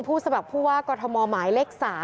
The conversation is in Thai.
ผู้สมัครผู้ว่ากฎมหมายเลข๓ค่ะ